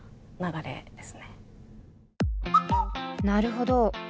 なるほど。